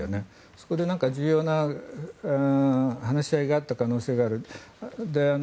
そこで重要な話し合いがあった可能性がある。